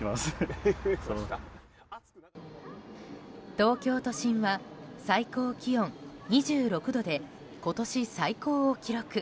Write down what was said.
東京都心は最高気温２６度で今年最高を記録。